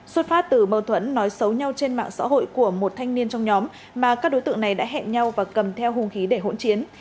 xuất phát từ mâu thuẫn nói xấu nhau trên mạng xã hội của một thanh niên trong nhóm mà các đối tượng này đã hẹn nhau và cầm theo hùng khí để hỗn chiến